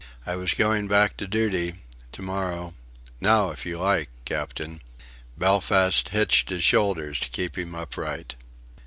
I was going back to duty... to morrow now if you like Captain." Belfast hitched his shoulders to keep him upright.